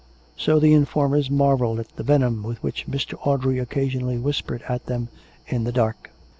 ... So the informers marvelled at the venom with which Mr. Audrey occasionally whispered at them in the dark.